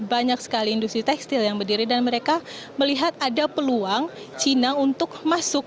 banyak sekali industri tekstil yang berdiri dan mereka melihat ada peluang china untuk masuk